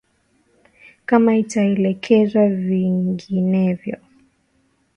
kama itaelekezwa vinginevyo